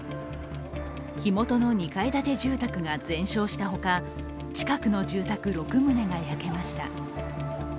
火元の２階建て住宅が全焼したほか近くの住宅６棟が焼けました。